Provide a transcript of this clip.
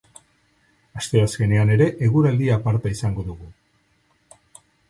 Asteazkenean ere eguraldi aparta izango dugu.